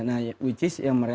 nah which is yang mereka